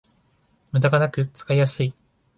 ムダがなく使いやすい